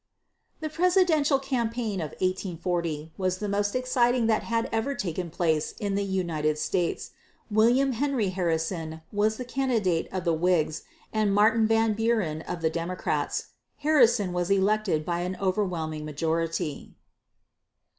The presidential campaign of 1840 was the most exciting that had ever taken place in the United States. William Henry Harrison was the candidate of the Whigs and Martin Van Buren of the Democrats. Harrison was elected by an overwhelming majority.